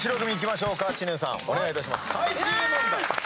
最終問題。